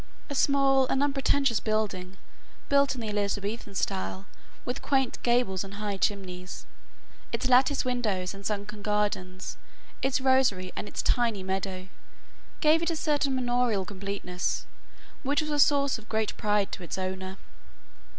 A small and unpretentious building, built in the Elizabethan style with quaint gables and high chimneys, its latticed windows and sunken gardens, its rosary and its tiny meadow, gave it a certain manorial completeness which was a source of great pride to its owner.